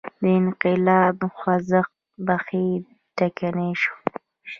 د انقلاب خوځنده بهیر ټکنی شو.